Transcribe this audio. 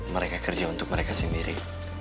mereka kerja untuk mereka sendiri